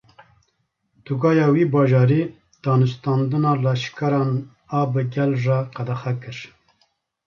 Tugaya wî bajarî, danûstandina leşkeran a bi gel re qedexe kir